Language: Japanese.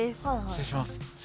失礼します。